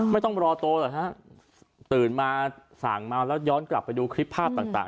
ไม่ต้องรอโตเหรอฮะตื่นมาสั่งเมาแล้วย้อนกลับไปดูคลิปภาพต่าง